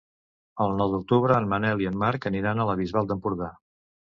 El nou d'octubre en Manel i en Marc aniran a la Bisbal d'Empordà.